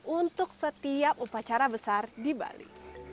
untuk setiap upacara besar di bali